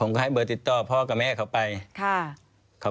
ควิทยาลัยเชียร์สวัสดีครับ